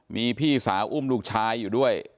มีพี่สาวอุ้มลูกชายอยู่ด้วย